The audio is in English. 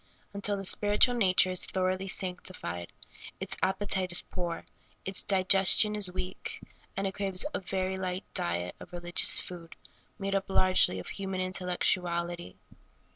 Until the spiritual nature is thoroughly sanctified, its appe tite is poor, its digestion is weak, and it craves a very light diet of religious food, made up largely of human intellectuality.